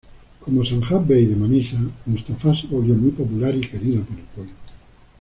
Como "sanjak-bey" de Manisa, Mustafá se volvió muy popular y querido por el pueblo.